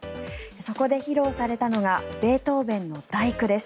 そこで披露されたのがベートーベンの「第九」です。